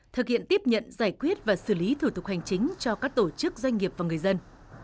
thực hiện tiếp nhận giải quyết và xử lý thủ tục hành chính cho các tổ chức doanh nghiệp và người dân